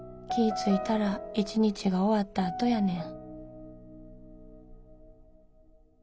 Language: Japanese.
ついたら一日が終わったあとやねん」。